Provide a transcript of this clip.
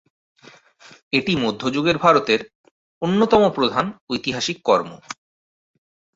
এটি মধ্যযুগের ভারতের অন্যতম প্রধান ঐতিহাসিক কর্ম।